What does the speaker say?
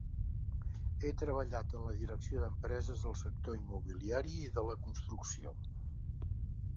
Ha treballat en la direcció d'empreses del sector immobiliari i de la construcció.